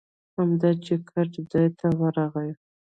همدا چې ګټ ځای ته ورغی.